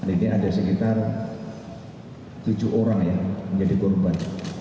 ini ada sekitar tujuh orang yang menjadi korban